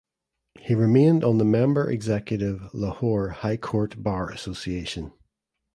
He remained on the Member Executive Lahore High Court Bar Association.